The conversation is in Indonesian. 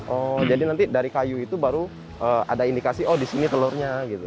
oh jadi nanti dari kayu itu baru ada indikasi oh di sini telurnya gitu